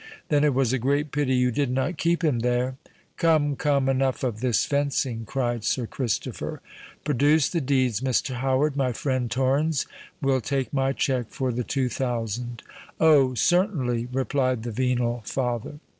"Then it was a great pity you did not keep him there." "Come—come—enough of this fencing," cried Sir Christopher. "Produce the deeds, Mr. Howard: my friend Torrens will take my cheque for the two thousand." "Oh! certainly," replied the venal father.